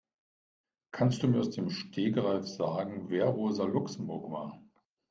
Kannst du mir aus dem Stegreif sagen, wer Rosa Luxemburg war?